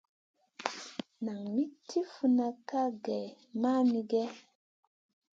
Nan min tiʼi funna kaʼa kaŋ gèh mamigèh?